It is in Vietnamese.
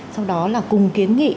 sau đó là cùng kiếm nghị